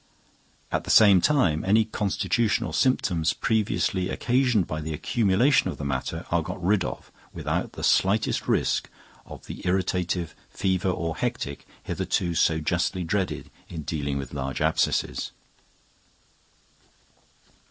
At the same time any constitutional symptoms previously occasioned by the accumulation of the matter are got rid of without the slightest risk of the irritative fever or hectic hitherto so justly dreaded in dealing with large abscesses.